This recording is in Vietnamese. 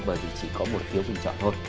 bởi vì chỉ có một phiếu bình chọn thôi